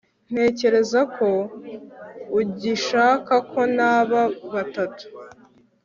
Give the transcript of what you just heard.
ntekereza ko ugishaka ko naba batatu